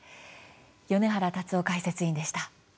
米原達生解説委員でした。